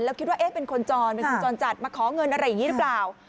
แล้วคิดว่าเอ๊ะเป็นคนจรเป็นคนจรจัดมาขอเงินอะไรอย่างนี้หรือเปล่า